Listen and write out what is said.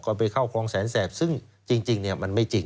ไปเข้าคลองแสนแสบซึ่งจริงเนี่ยมันไม่จริง